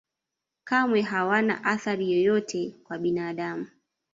kamwe hawana athari yoyote kwa binadamu